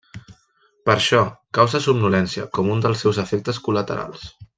Per això causa somnolència com un dels seus efectes col·laterals.